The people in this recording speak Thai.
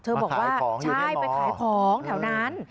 เธอบอกว่ามาขายของอยู่ในเมืองใช่ไปขายของแถวนั้น